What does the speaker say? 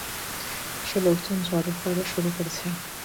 সে লোকজন জড়ো করা শুরু করেছে।